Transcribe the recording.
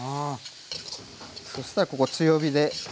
そしたらここ強火で。